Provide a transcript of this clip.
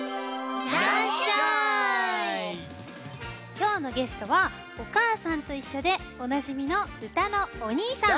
今日のゲストは「おかあさんといっしょ」でおなじみのうたのおにいさん。